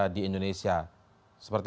di indonesia seperti